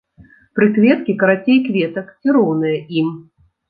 Прыкветкі карацей кветак ці роўныя ім.